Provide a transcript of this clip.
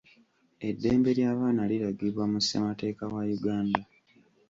Eddembe ly'abaana liragibwa mu ssemateeka wa Uganda.